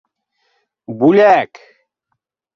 Бүләк!